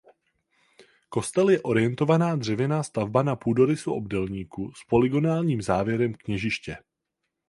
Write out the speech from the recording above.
Kostel je orientovaná dřevěná stavba na půdorysu obdélníku s polygonálním závěrem kněžiště.